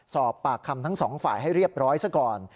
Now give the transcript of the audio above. สอบปากคำทั้งสองฝ่ายให้เรียบร้อยซะก่อน